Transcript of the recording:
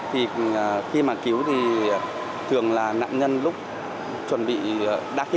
thì khi mà cứu thì thường là nạn nhân lúc chuẩn bị đắc